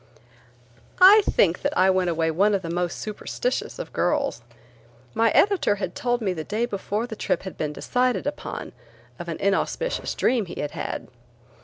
I think that I went away one of the most superstitious of girls. My editor had told me the day before the trip had been decided upon of an inauspicious dream he had had.